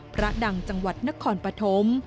พระดังจังหวัดนครปฐม